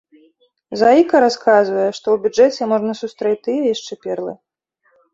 Заіка расказвае, што у бюджэце можна сустрэць тыя яшчэ перлы.